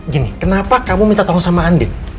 gini kenapa kamu minta tolong sama andi